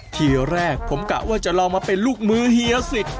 ทีแรกผมกะว่าจะลองมาเป็นลูกมือเฮียสิก